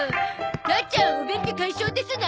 母ちゃんお便秘解消ですな？